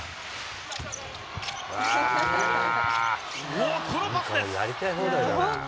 おー、このパスです。